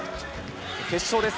決勝です。